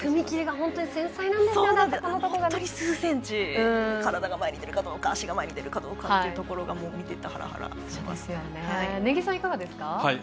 本当に数センチ体が前に出るかどうか足が前に出るかどうかというのが根木さん、いかがですか？